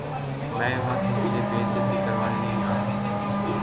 میں یہاں تم سے بے عزتی کروانے نہیں آیا